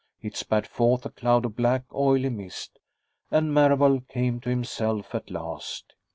It spat forth a cloud of black, oily mist, and Marable came to himself at last.